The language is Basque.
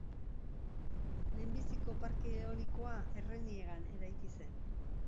Lehenbiziko parke eolikoa Erreniegan eraiki zen.